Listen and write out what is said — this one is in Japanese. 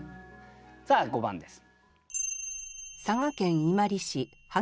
さあ５番です。